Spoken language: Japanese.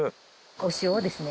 お塩をですね